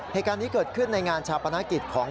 เหตุการณ์นี้เกิดขึ้นในงานชาปนกิจของ